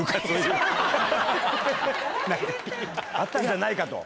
あったんじゃないかと。